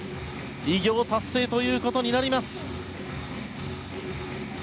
偉業を達成ということになります。